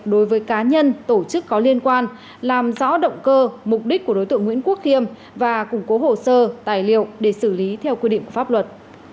đối với cá nhân tổ chức có liên quan làm rõ động cơ mục đích của đối tượng nguyễn quốc khiêm và củng cố hồ sơ tài liệu để xử lý theo quy định pháp luật